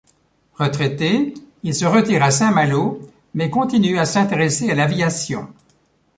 Retraité, il se retire à Saint-Malo, mais continue à s’intéresser à l’aviation.